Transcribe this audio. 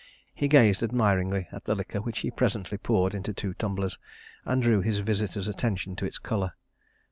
He gazed admiringly at the liquor which he presently poured into two tumblers, and drew his visitor's attention to its colour.